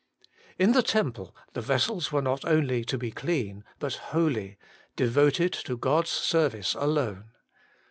In the temple the vessels were not only to be clean, but holy, devoted to God's service alone.